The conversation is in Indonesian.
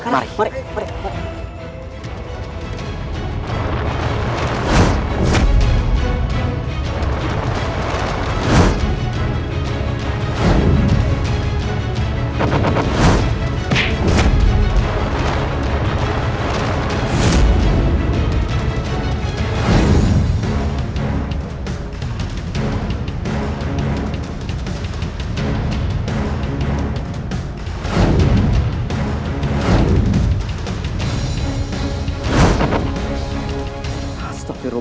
mari kisah anak